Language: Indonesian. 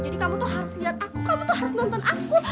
jadi kamu tuh harus lihat aku kamu tuh harus nonton aku